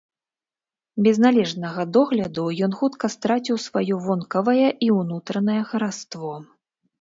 Без належнага догляду ён хутка страціў сваё вонкавае і ўнутранае хараство.